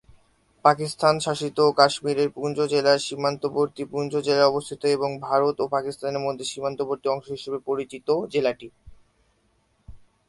পাকিস্তান শাসিত কাশ্মীরের পুঞ্চ জেলার সীমান্তবর্তী পুঞ্চ জেলা অবস্থিত এবং ভারত ও পাকিস্তানের মধ্যে সীমান্তবর্তী অংশ হিসেবে পরিচিত জেলাটি।